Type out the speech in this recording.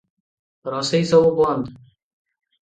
ରୋଷେଇ ସବୁ ବନ୍ଦ ।